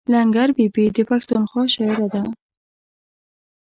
لنګر بي بي د پښتونخوا شاعره ده.